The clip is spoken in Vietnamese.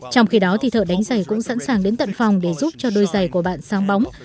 trong khi đó thì thợ đánh giày cũng sẵn sàng đến tận phòng để giúp cho đôi giày của bạn sang bóng